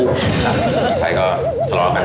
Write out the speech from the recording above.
ใครก็ทะเลาะกัน